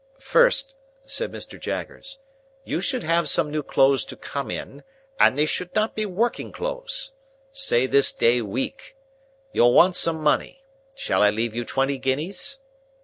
"First," said Mr. Jaggers, "you should have some new clothes to come in, and they should not be working clothes. Say this day week. You'll want some money. Shall I leave you twenty guineas?"